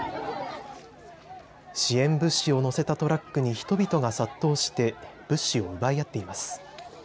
支援物資を乗せたトラックに人々が殺到して物資を奪い合っています。